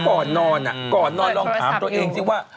ก็ก่อนนอนลองถามตัวเองสิว่า